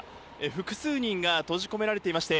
複数人が閉じ込められていまして